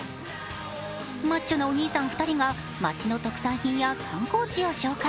マッチョなお兄さん２人が町の特産品や観光地を紹介。